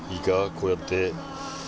こうやって。